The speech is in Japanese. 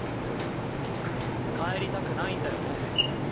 帰りたくないんだよね？